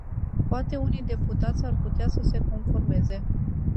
Poate unii deputați ar putea să se conformeze.